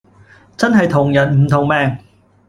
真係同人唔同命